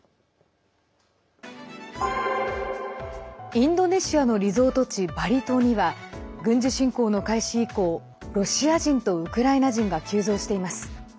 インドネシアのリゾート地バリ島には軍事侵攻の開始以降ロシア人とウクライナ人が急増しています。